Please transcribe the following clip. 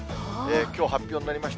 きょう発表になりました